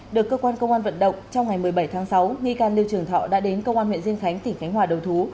được cơ quan công an vận động trong ngày một mươi bảy tháng sáu nghi can lưu trường thọ đã đến công an huyện diên khánh tỉnh khánh hòa đầu thú